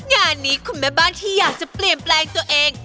งานนี้คุณแม่บ้านที่อยากจะเปลี่ยนแปลงตัวเอง